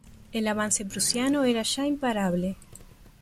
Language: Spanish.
El avance prusiano era ya imparable.